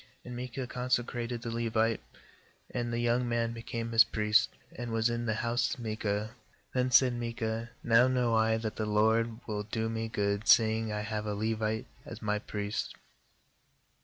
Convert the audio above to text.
12And Micah consecrated the Levite, and the young man became his priest, and was in the house of Micah. "Then said Micah: 'Now know I that the LORD will do me good, seeing I have a Levite as my priest.'